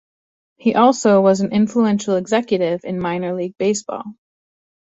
He also was an influential executive in minor league baseball.